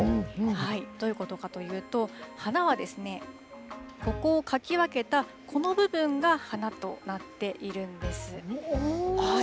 どういうことかというと、花はここをかき分けたこの部分が花となっているんです。